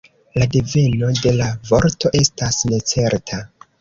La deveno de la vorto estas necerta.